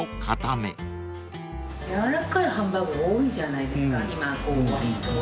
軟らかいハンバーグが多いじゃないですか今わりと。